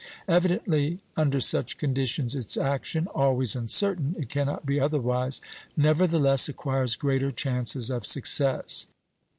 Evidently under such conditions its action, always uncertain (it cannot be otherwise), nevertheless acquires greater chances of success."